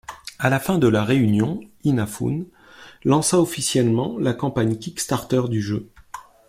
À la fin de la réunion, Inafune lance officiellement la campagne Kickstarter du jeu.